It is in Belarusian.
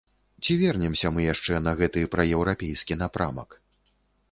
Ці вернемся мы яшчэ на гэты праеўрапейскі напрамак?